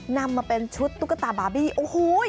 นำมาเป็นชุดตุ๊กตาบาร์บี้โอ้โห